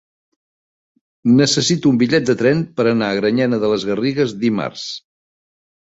Necessito un bitllet de tren per anar a Granyena de les Garrigues dimarts.